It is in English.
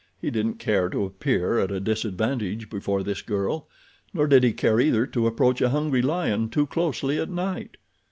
He didn't care to appear at a disadvantage before this girl, nor did he care, either, to approach a hungry lion too closely at night.